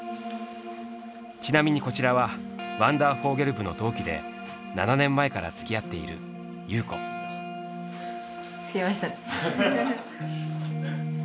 ちなみにこちらはワンダーフォーゲル部の同期で７年前からつきあっている着きました。